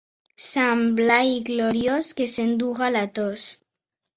Sant Blai gloriós, que s'enduga la tos.